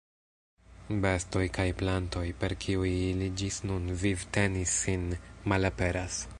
Bestoj kaj plantoj, per kiuj ili ĝis nun vivtenis sin, malaperas.